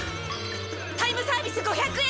タイムサービス５００円！